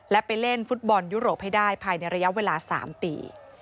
และไปเล่นฟุตบอลยุโรปให้ได้ภายในระยะเวลา๓ปี